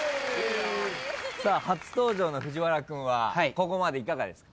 初登場の藤原君はここまでいかがですか？